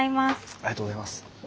ありがとうございます。